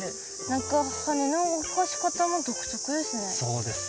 何か羽の動かし方も独特ですね。